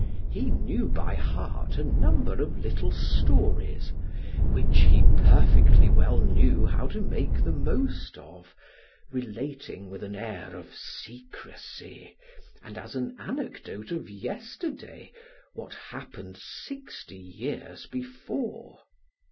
He knew by heart a number of little stories, which he perfectly well knew how to make the most of; relating with an air of secrecy, and as an anecdote of yesterday, what happened sixty years before.